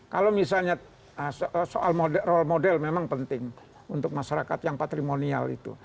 kalau misalnya soal role model memang penting untuk masyarakat yang patrimonial itu